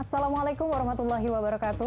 assalamualaikum warahmatullahi wabarakatuh